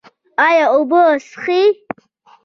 ایا اوبه څښئ؟